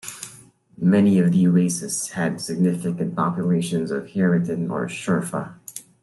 Many of the oases had significant populations of haratin or shurfa.